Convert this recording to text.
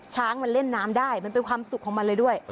ช้างมันเล่นน้ำได้มันเป็นความสุขของมันเลยด้วย